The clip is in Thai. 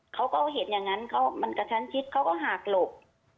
เขาก็เห็นอย่างนั้นมันกระชั้นชิดเขาก็หากหลบ